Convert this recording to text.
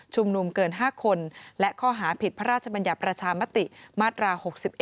นุมเกิน๕คนและข้อหาผิดพระราชบัญญัติประชามติมาตรา๖๑